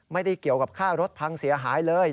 ไม่ได้เกี่ยวกับค่ารถพังเสียหายเลย